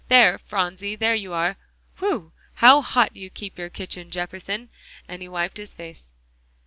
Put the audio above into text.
There, Phronsie, there you are. Whew! how hot you keep your kitchen, Jefferson," and he wiped his face.